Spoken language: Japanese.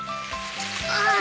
ああ。